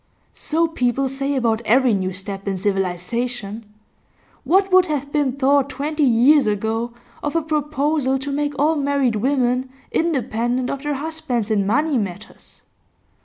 'So people say about every new step in civilisation. What would have been thought twenty years ago of a proposal to make all married women independent of their husbands in money matters?